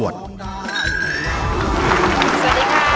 สวัสดีค่ะ